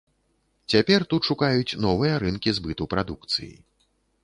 Цяпер тут шукаюць новыя рынкі збыту прадукцыі.